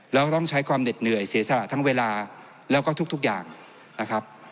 แล้วต้องใช้ความเหน็ดเหนื่อยเสียสละทั้งเวลาแล้วก็ทุกอย่างนะครับ